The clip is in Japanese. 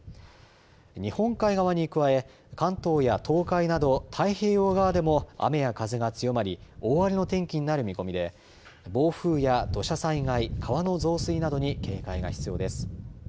日本海側に加え関東や東海など、太平洋側でも雨や風が強まり大荒れの天気になる見込みで暴風や土砂災害、川の増水などに警戒が必要です。